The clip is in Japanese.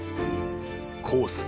コース